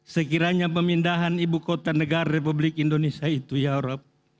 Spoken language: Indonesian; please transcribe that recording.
sekiranya pemindahan ibu kota negara republik indonesia itu ya rob